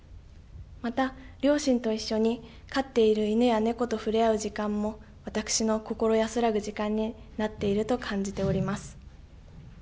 また両親と一緒に飼っている犬や猫と触れ合う時間も私の心安らぐ時間になっていると感じております。